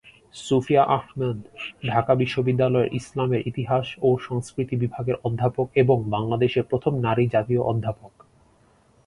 সুফিয়া আহমেদ ঢাকা বিশ্ববিদ্যালয়ের ইসলামের ইতিহাস ও সংস্কৃতি বিভাগের অধ্যাপক এবং বাংলাদেশের প্রথম নারী জাতীয় অধ্যাপক।